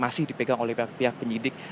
masih dipegang oleh pihak penyidik